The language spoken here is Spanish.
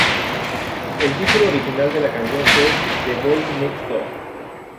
El título original de la canción fue "The Boy Next Door".